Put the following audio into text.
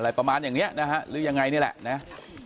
ประมาณอย่างนี้นะฮะหรือยังไงนี่แหละนะ